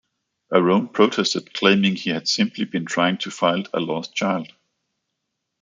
Arone protested, claiming he had simply been trying to find a lost child.